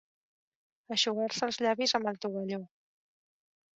Eixugar-se els llavis amb el tovalló.